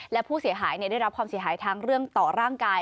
และผู้เสียหายได้รับความเสียหายทั้งเรื่องต่อร่างกาย